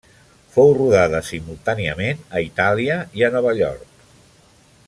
Fou rodada simultàniament a Itàlia i a Nova York.